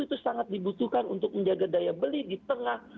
itu sangat dibutuhkan untuk menjaga daya beli di tengah